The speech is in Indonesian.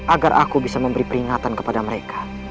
agar aku bisa memberi peringatan kepada mereka